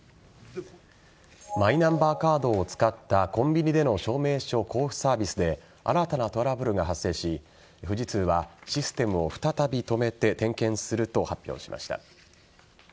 マイナンバーカードを使ったコンビニでの証明書交付サービスで新たなトラブルが発生し富士通はシステムを再び止めて点検すると発表しました。